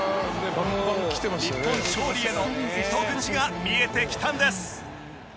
日本勝利への糸口が見えてきたんです。